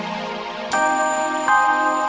jangan lupa untuk tonton